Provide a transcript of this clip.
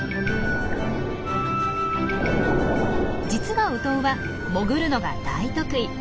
実はウトウは潜るのが大得意。